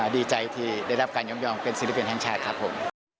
ดีใจที่ได้รับการยกยองเป็นศิลปินแห่งชาติครับผม